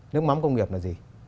nước mắm công nghiệp là gì